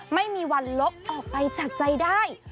ไม่มีวันลบออกไปจากใจได้